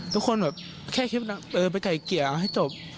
ทุกคนแบบแค่คิดว่าไปไก่เกียร์เอาให้จบ